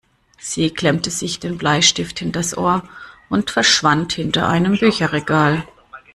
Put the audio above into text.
Sie klemmte sich den Bleistift hinters Ohr und verschwand hinter einem Bücherregal.